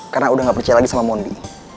karena udah gak percaya lagi sama mondi